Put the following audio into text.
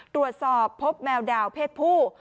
ตรวจสอบพบแมวดาวเพศผู้